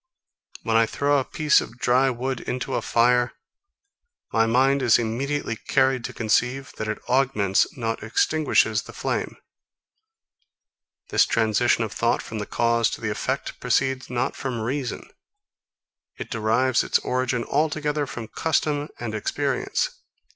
When I throw a piece of dry wood into a fire, my mind is immediately carried to conceive, that it augments, not extinguishes the flame. This transition of thought from the cause to the effect proceeds not from reason. It derives its origin altogether from custom and experience.